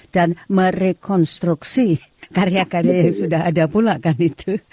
dan merekonstruksi karya karya yang sudah ada pula kan itu